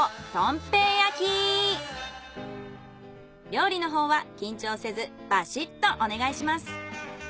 料理のほうは緊張せずバシッとお願いします。